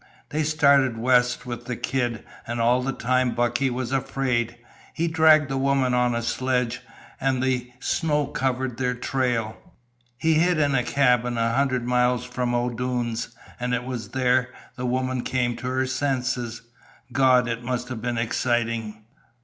They started west with the kid, and all the time Bucky was afraid! He dragged the woman on a sledge, and snow covered their trail. He hid in a cabin a hundred miles from O'Doone's, an' it was there the woman come to her senses. Gawd! it must have been exciting!